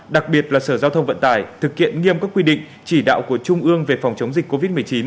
đặc biệt là sở giao thông vận tải thực hiện nghiêm các quy định chỉ đạo của trung ương về phòng chống dịch covid một mươi chín